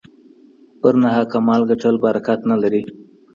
په ناحقه مال ګټل برکت نه لري.